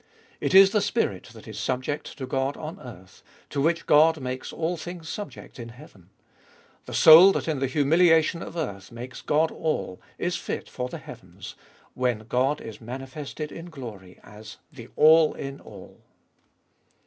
It is the spirit that is subject to God on earth, to which God makes all things subject in heaven. The soul that in the humiliation of earth makes God all is fit for the heavens, when God is manifested in glory as the A It in An.